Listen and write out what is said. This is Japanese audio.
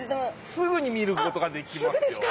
すぐに見ることができますよ。